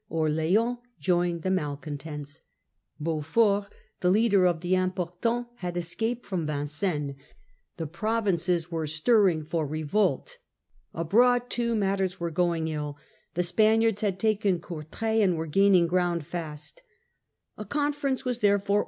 Orleans joined yields. the malcontents ; Beaufort, the leader of the « Importants,* had escaped from Vincennes ; the pro vinces were stirring for revolt. Abroad, too, matters were going ill : the Spaniards had taken Courtrai, and were gaining ground fast. A conference was therefore 1648. Chamber of St. Louis.